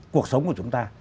cuộc sống của chúng ta